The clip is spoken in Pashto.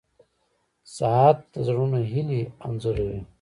• ساعت د زړونو د هیلې انځور دی.